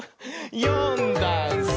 「よんだんす」